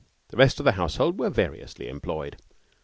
The rest of the household were variously employed.